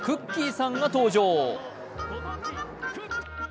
さんが登場。